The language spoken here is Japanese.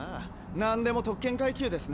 なんでも特権階級ですね。